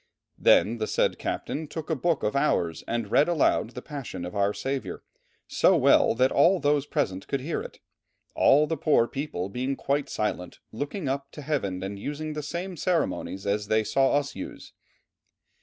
Then the said captain took a book of Hours and read aloud the Passion of our Saviour, so well that all those present could hear it, all the poor people being quite silent, looking up to heaven and using the same ceremonies as they saw us use."